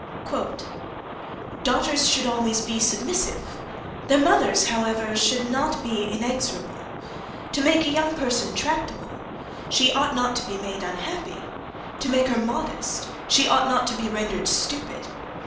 "Daughters should be always submissive; their mothers, however, should not be inexorable. To make a young person tractable, she ought not to be made unhappy; to make her modest she ought not to be rendered stupid.